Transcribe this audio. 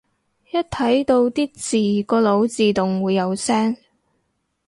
一睇到啲字個腦自動會有聲